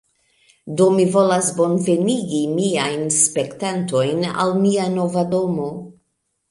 Do, mi volas bonvenigi miajn spektantojn al mia nova domo